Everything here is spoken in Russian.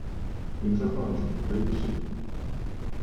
Митрофанушка, подойди сюда.